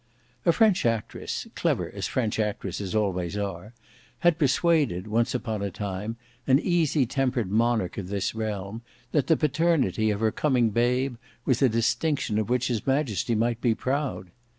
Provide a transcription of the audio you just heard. A French actress, clever as French actresses always are, had persuaded, once upon a time, an easy tempered monarch of this realm, that the paternity of her coming babe was a distinction of which his majesty might be proud.